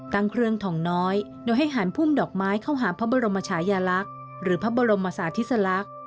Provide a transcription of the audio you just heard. เครื่องทองน้อยโดยให้หันพุ่มดอกไม้เข้าหาพระบรมชายาลักษณ์หรือพระบรมศาสติสลักษณ์